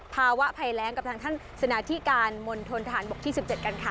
ภาวะภัยแรงกับทางท่านสนาธิการมณฑนทหารบกที่๑๗กันค่ะ